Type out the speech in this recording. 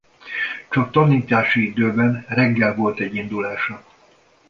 Csak tanítási időben reggel volt egy indulása.